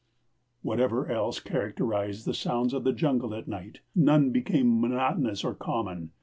Whatever else characterized the sounds of the jungle at night, none became monotonous or common.